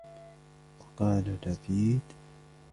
وَقَالَ لَبِيدٌ